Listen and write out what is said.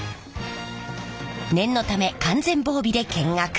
念のため完全防備で見学！